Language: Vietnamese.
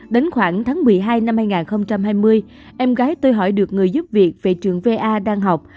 đến khoảng tháng một mươi hai năm hai nghìn hai mươi em gái tôi hỏi được người giúp việc về trường va đang học